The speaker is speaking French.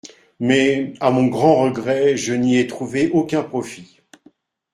Mais, à mon grand regret, je n’y ai trouvé aucun profit.